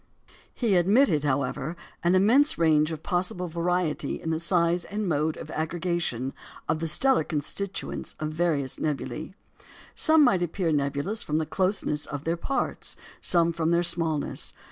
He admitted, however, an immense range of possible variety in the size and mode of aggregation of the stellar constituents of various nebulæ. Some might appear nebulous from the closeness of their parts; some from their smallness.